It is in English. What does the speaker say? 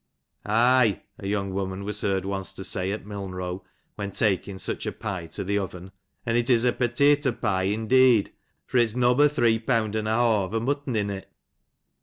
Aye," a young woman was heard once to say at Milnrow, when taking such a pie to the oven, " an it is a pottito pie indeed, for its nobbo three peawnd an a hawve o* muttn in it.